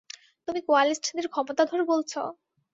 তুমি কোয়ালিস্টদের ক্ষমতাধর বলছ?